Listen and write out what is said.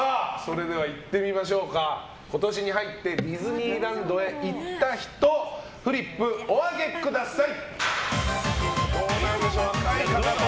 それでは、今年に入ってディズニーランドへ行った人フリップ、お上げください！